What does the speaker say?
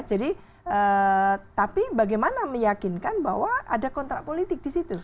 jadi tapi bagaimana meyakinkan bahwa ada kontrak politik di situ